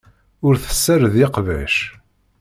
Ur tessared iqbac.